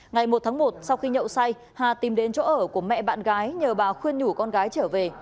ngày một tháng một sau khi nhậu say hà tìm đến chỗ ở của mẹ bạn gái nhờ bà khuyên nhủ con gái trở về